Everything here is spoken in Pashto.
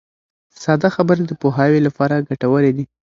ساده خبرې د پوهاوي لپاره ګټورې دي.